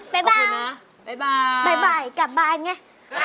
บ๊ายบายขอบคุณนะบ๊ายบายบ๊ายบายกลับบ้านไง